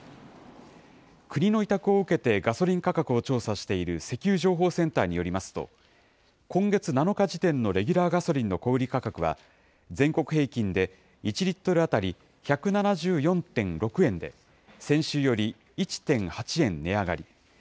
国の委託を受けてガソリン価格を調査している石油情報センターによりますと、今月７日時点のレギュラーガソリンの小売り価格は全国平均で、１リットル当たり１７４．６円で、先週より１．８円値上がり。